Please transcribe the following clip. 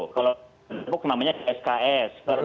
kalau di depok namanya sks